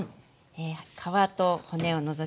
皮と骨を除きます。